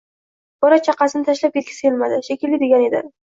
Bola-chaqasini tashlab ketgisi kelmadi, shekilli”, degan edi